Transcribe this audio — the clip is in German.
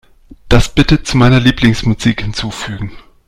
Das bitte zu meiner Lieblingsmusik hinzufügen.